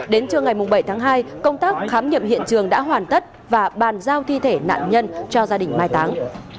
đến trưa ngày bảy tháng hai công tác khám nghiệm hiện trường đã hoàn tất và bàn giao thi thể nạn nhân cho gia đình mai táng